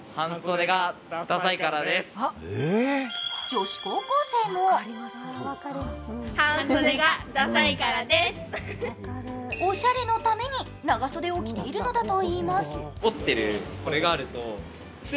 女子高校生もおしゃれのために長袖を着ているのだといいます。